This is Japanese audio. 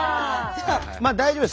まあ大丈夫です。